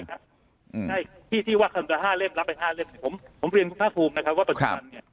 ใช่ครับอืมใช่ที่ที่ว่าคำเป็นห้าเล่มรับไปห้าเล่มผมผมเรียนคุณพระภูมินะครับว่าปัจจุบันเนี่ย